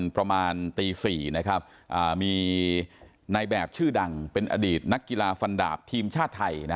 ประมาณตี๔มีในแบบชื่อดังเป็นอดีตนักกีฬาฟันดาบทีมชาติไทย